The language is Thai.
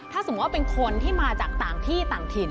ถ้าสมมุติว่าเป็นคนที่มาจากต่างที่ต่างถิ่น